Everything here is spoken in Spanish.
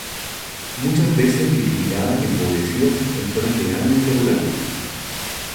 Muchas veces discriminadas y empobrecidas en zonas generalmente rurales.